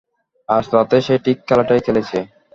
আজ রাতে সে ঠিক খেলাটাই খেলেছে।